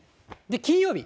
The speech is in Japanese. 金曜日。